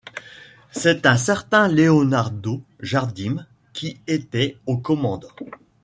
C'est un certain Leonardo Jardim qui était aux commandes.